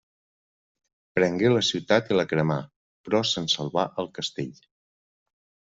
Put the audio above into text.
Prengué la ciutat i la cremà, però se'n salvà el castell.